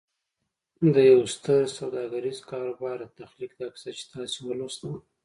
د يوه ستر سوداګريز کاروبار د تخليق دا کيسه چې تاسې ولوسته.